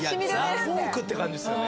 ザ・フォークって感じですよね。